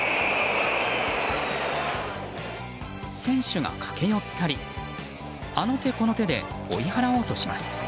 選手が駆け寄ったりあの手この手で追い払おうとします。